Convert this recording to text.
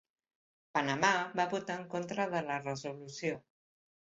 Panamà va votar en contra de la resolució.